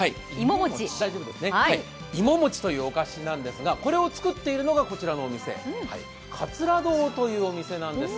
いももちというお菓子なんですが、これを作っているのがこちらのお店、かつら堂というお店なんです。